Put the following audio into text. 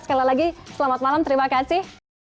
sekali lagi selamat malam terima kasih